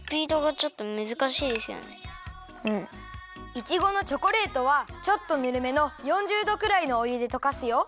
イチゴのチョコレートはちょっとぬるめの４０どくらいのおゆでとかすよ。